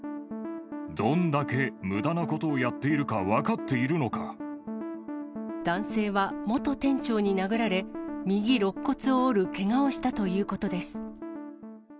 どんだけむだなことをやって男性は、元店長に殴られ、右ろっ骨を折るけがをしたということです。